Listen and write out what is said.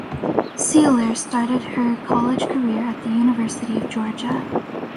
Seiler started her college career at the University of Georgia.